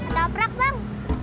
ada oprak bang